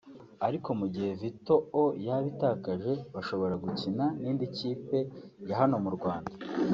ariko mu gihe Vital’O yaba itaje bashobora gukina n’indi kipe ya hano mu Rwanda